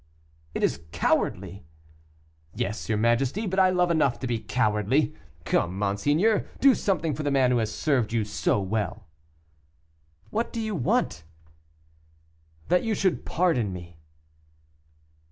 "It is cowardly." "Yes, your majesty, but I love enough to be cowardly. Come, monseigneur, do something for the man who has served you so well." "What do you want?" "That you should pardon me."